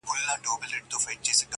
سېل د زاڼو پر ساحل باندي تیریږي-